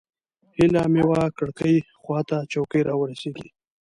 هیله مې وه کړکۍ خوا ته چوکۍ راورسېږي.